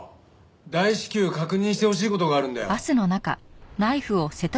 大至急確認してほしい事があるんだよ。